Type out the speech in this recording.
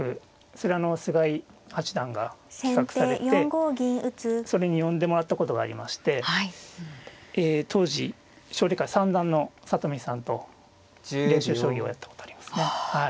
それあの菅井八段が企画されてそれに呼んでもらったことがありましてえ当時奨励会三段の里見さんと練習将棋をやったことありますね。